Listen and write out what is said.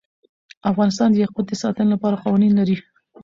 افغانستان د یاقوت د ساتنې لپاره قوانین لري.